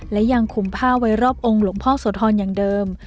และยังคุมผ้าไว้รอบองค์หลวงพ่อโสธรอย่างเดิม